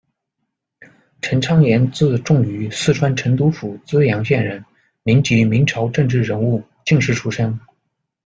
陈昌言，字仲俞，四川成都府资阳县人，民籍，明朝政治人物、进士出身。